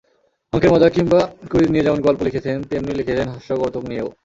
অঙ্কের মজা কিংবা কুইজ নিয়ে যেমন গল্প লিখেছেন, তেমনি লিখেছেন হাস্যকৌতুক নিয়েও।